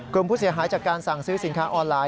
กลุ่มผู้เสียหายจากการสั่งซื้อสินค้าออนไลน